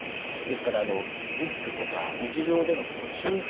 ですからリスクとか日常での注意点